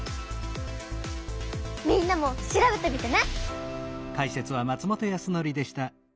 みんなも調べてみてね。